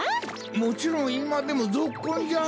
もちろんいまでもぞっこんじゃ！